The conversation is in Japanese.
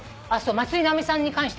松居直美さんに関しては？